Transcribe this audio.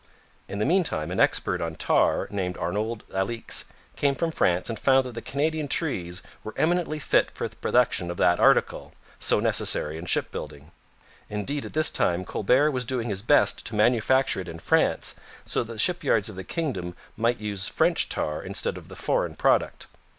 In the meantime an expert on tar named Arnould Alix came from France and found that the Canadian trees were eminently fit for the production of that article, so necessary in shipbuilding; indeed at this time Colbert was doing his best to manufacture it in France so that the shipyards of the kingdom might use French tar instead of the foreign product.